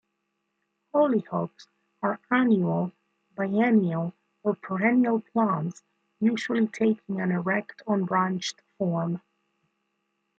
Hollyhocks are annual, biennial, or perennial plants usually taking an erect, unbranched form.